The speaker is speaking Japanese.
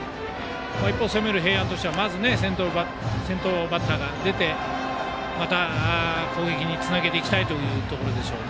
一方、攻める平安としてはまず先頭バッターが出てまた攻撃につなげていきたいところでしょう。